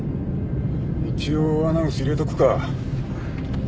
一応アナウンス入れとくか。